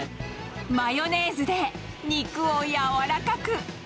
マヨネーズで肉を柔らかく。